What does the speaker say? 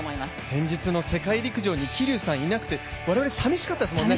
先日の世界陸上に桐生さんいなくて我々さみしかったですもんね